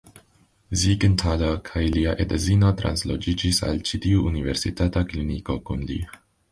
Siegenthaler kaj lia edzino transloĝiĝis al ĉi tiu universitata kliniko kun li.